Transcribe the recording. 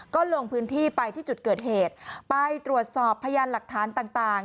ก็ลงพื้นที่ไปที่จุดเกิดเหตุไปตรวจสอบพยานหลักฐานต่าง